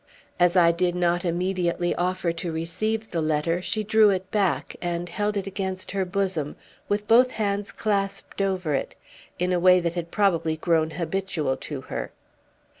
As I did not immediately offer to receive the letter, she drew it back, and held it against her bosom, with both hands clasped over it, in a way that had probably grown habitual to her.